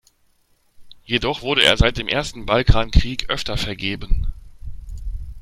Jedoch wurde er seit dem ersten Balkankrieg öfter vergeben.